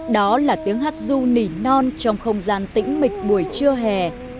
đó là tiếng hát du nỉ non trong không gian tĩnh mịch buổi trưa hè